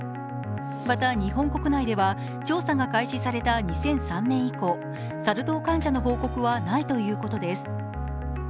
また、日本国内では調査が開始された２００３年以降、サル痘患者の報告はないということです。